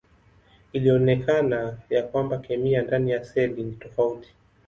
Ilionekana ya kwamba kemia ndani ya seli ni tofauti.